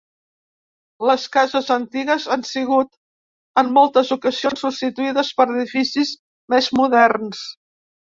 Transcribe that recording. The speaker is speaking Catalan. Les cases antigues han sigut en moltes ocasions substituïdes per edificis més moderns.